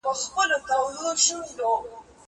لیک وکړه!!